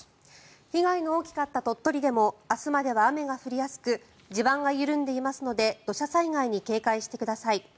被害の大きかった鳥取でも明日までは雨が降りやすく地盤が緩んでいますので土砂災害に警戒してください。